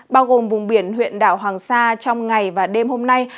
bao gồm vùng biển huyện đảo hoàng sa trong ngày và đêm hôm nay